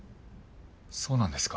そうなんですか。